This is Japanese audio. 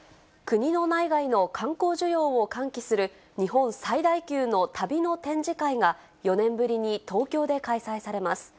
国の内外の観光需要を喚起する、日本最大級の旅の展示会が４年ぶりに東京で開催されます。